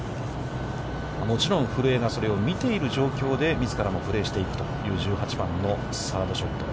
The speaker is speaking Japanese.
もちろん、古江がそれを見ている状況でみずからもプレーしていくという１８番のサードショット。